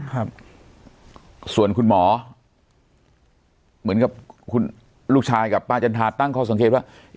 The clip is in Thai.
ครับส่วนคุณหมอเหมือนกับคุณลูกชายกับป้าจันทราตั้งข้อสังเกตว่า